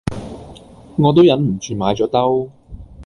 我都忍唔住買咗兜